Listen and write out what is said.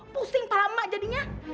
pusing pala emak jadinya